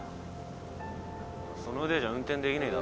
その腕じゃ運転できねえだろ。